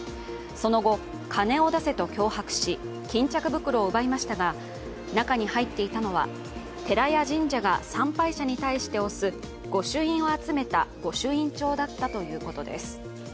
その後、金を出せと脅迫し巾着袋を奪いましたが中に入っていたのは、寺や神社が参拝者に対して押す御朱印を集めた御朱印帳だったということです。